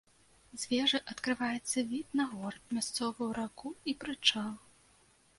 З вежы адкрываецца від на горад, мясцовую раку і прычал.